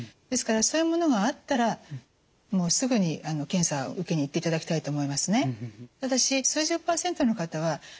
ですからそういうものがあったらもうすぐに検査を受けに行っていただきたいと思いますね。